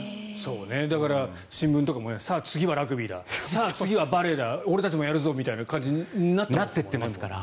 だから新聞とかもさあ、次はラグビーだ次はバレーだ俺たちもやるぞみたいな感じになってますから。